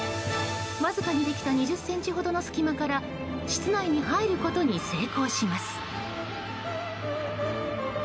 わずかにできた２０ｃｍほどの隙間から室内に入ることに成功します。